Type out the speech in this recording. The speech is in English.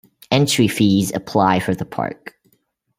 Entry fees apply for the park.